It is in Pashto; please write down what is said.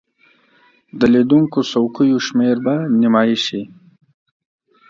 د لیدونکو څوکیو شمیر به نیمایي شي.